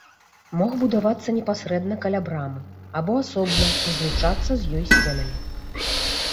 Мог будавацца непасрэдна каля брамы, або асобна і злучацца з ёй сценамі.